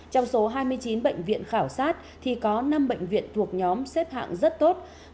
trong số hai mươi chín bệnh viện khảo sát thì có năm bệnh viện thuộc nhóm xếp hạng rất tốt